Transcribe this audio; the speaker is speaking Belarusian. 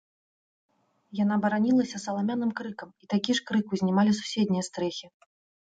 Яна баранілася саламяным крыкам, і такі ж крык узнімалі суседнія стрэхі.